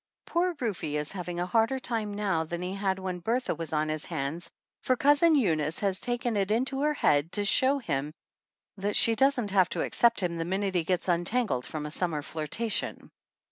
Poor Rufe is having a harder time now than he had when Bertha was on his hands, for Cousin Eunice has taken it into her head to show him that she doesn't have to accept him the minute he gets untangled from a summer flirtation.